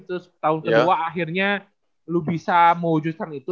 terus tahun kedua akhirnya lo bisa mewujudkan itu